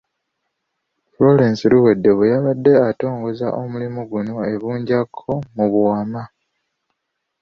Florence Luwedde, bwe yabadde atongoza omulimu guno e Bunjakko mu Buwama